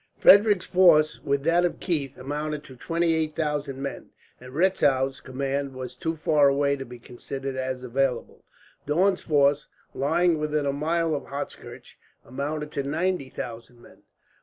Frederick's force, with that of Keith, amounted to twenty eight thousand men, and Retzow's command was too far away to be considered as available. Daun's force, lying within a mile of Hochkirch, amounted to ninety thousand men.